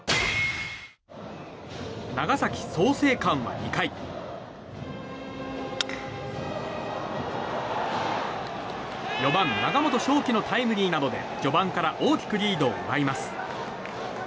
長崎・創成館は２回４番、永本翔規のタイムリーなどで序盤から大きくリードを奪います。